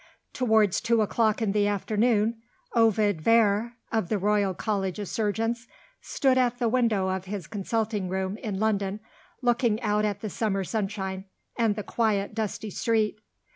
Towards two o'clock in the afternoon, Ovid Vere (of the Royal College of Surgeons) stood at the window of his consulting room in London, looking out at the summer sunshine, and the quiet dusty street.